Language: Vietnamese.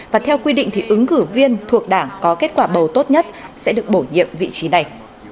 và theo quy định thì ứng cử viên thuộc đảng có kết quả bầu tốt nhất sẽ được bổ nhiệm vị trí này